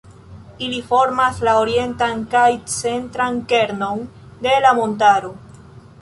Ili formas la orientan kaj centran kernon de la montaro.